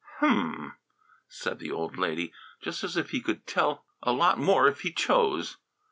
"Hum!" said the old lady, looking as if he could tell a lot more if he chose.